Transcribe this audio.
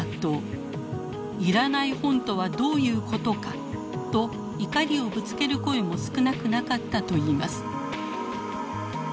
「いらない本とはどういうことか？」と怒りをぶつける声も少なくなかったといいます。